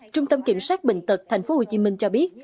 trung tâm kiểm soát bệnh tật thành phố hồ chí minh cho biết